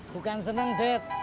bukan seneng dad